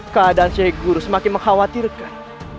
keadaan cek guru semakin mengkhawatirkan